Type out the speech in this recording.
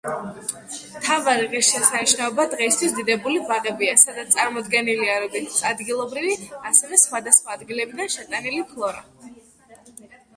მთავარი ღირსშესანიშნაობა დღეისათვის დიდებული ბაღებია, სადაც წარმოდგენილია როგორც ადგილობრივი, ასევე სხვადასხვა ადგილებიდან შეტანილი ფლორა.